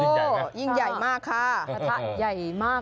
โหวยิ่งใหญ่มากค่ะ